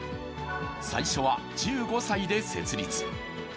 最初は１５歳で設立。